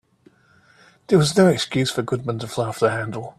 There was no excuse for Goodman to fly off the handle.